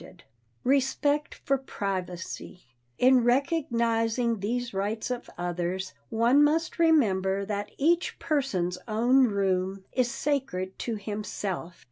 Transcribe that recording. [Sidenote: RESPECT FOR PRIVACY] In recognizing these rights of others, one must remember that each person's own room is sacred to himself.